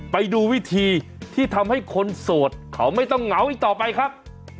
ไปดูวิธีที่ทำให้คนโสดเขาไม่ต้องเหงาอีกต่อไปครับ